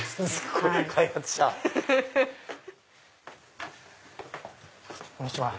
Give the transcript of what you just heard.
こんにちは。